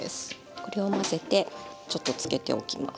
これを混ぜてちょっと漬けておきます。